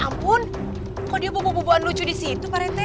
ya ampun kok dia bubu bubuan lucu disitu pak rete